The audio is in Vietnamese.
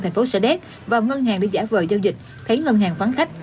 thành phố sa đét vào ngân hàng để giả vờ giao dịch thấy ngân hàng phán khách